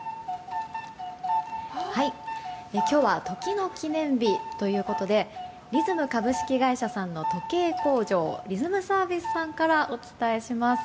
今日は時の記念日ということでリズム株式会社さんの時計工場リズムサービスさんからお伝えします。